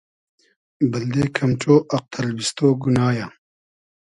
بئلدې کئم ݖۉ آق تئلبیستۉ گونا یۂ